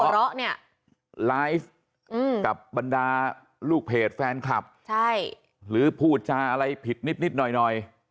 รายกับบรรดาลูกเพจแฟนคลับหรือพูดจานอะไรผิดนิดหน่อย